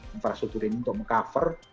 infrastruktur ini untuk meng cover